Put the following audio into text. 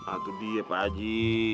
aduh dia pak haji